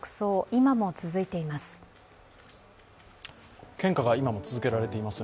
今も続いています。